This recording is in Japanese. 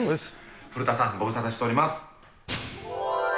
古田さん、ご無沙汰しております。